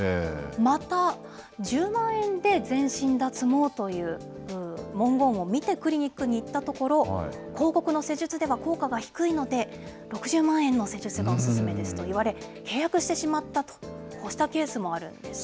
また、１０万円で全身脱毛という文言を見て、クリニックに行ったところ、広告の施術では効果が低いので、６０万円の施術がお勧めですと言われ、契約してしまったと、こうしたケースもあるんです。